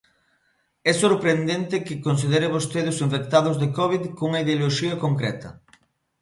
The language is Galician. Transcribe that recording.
¡É sorprendente que considere vostede os infectados de covid cunha ideoloxía concreta!